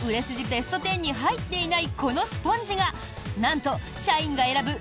ベスト１０に入っていない、このスポンジがなんと社員が選ぶ